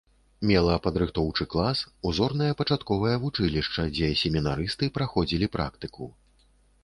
Мела падрыхтоўчы клас, узорнае пачатковае вучылішча, дзе семінарысты прыходзілі практыку.